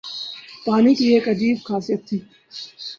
پانی کی ایک عجیب خاصیت تھی